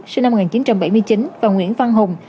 sinh năm một nghìn chín trăm bảy mươi chín và nguyễn văn hùng